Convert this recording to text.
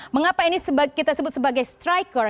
mengapa ini kita sebut sebagai striker